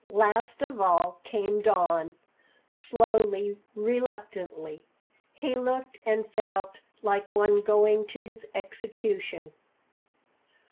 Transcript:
Last of all came Don slowly, reluctantly. He looked and felt like one going to his execution.